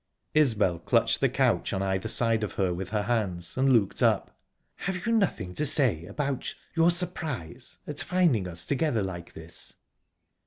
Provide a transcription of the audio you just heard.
Isbel clutched the couch on either side of her with her hands, and looked up. "Have you nothing to say about...your surprise...at finding us together like this?"